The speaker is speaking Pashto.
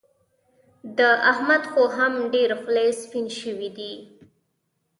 د احمد خو هم ډېر خلي سپين شوي دي.